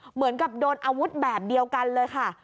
เหมือนกับโดนอาวุธแบบเดียวกันเลยค่ะ